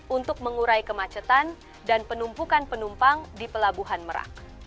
untuk mengurai kemacetan dan penumpukan penumpang di pelabuhan merak